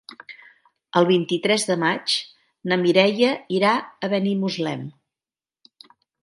El vint-i-tres de maig na Mireia irà a Benimuslem.